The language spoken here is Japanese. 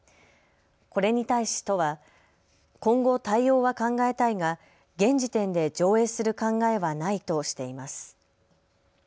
これに対し都は今後対応は考えたいが現時点で上映する考えはないとしています。